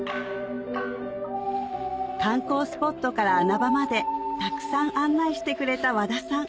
観光スポットから穴場までたくさん案内してくれた和田さん